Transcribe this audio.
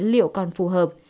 liệu còn phù hợp